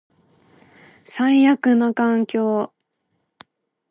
最悪な環境